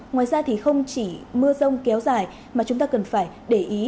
ngoài ra thì không chỉ mưa rông kéo dài mà chúng ta cần phải để ý